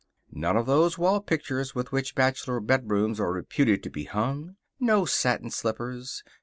None of those wall pictures with which bachelor bedrooms are reputed to be hung. No satin slippers.